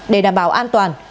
để đảm bảo an toàn